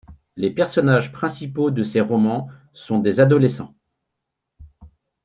Les personnages principaux de ses romans sont des adolescents.